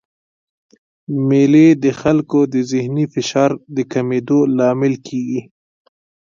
مېلې د خلکو د ذهني فشار د کمېدو لامل کېږي.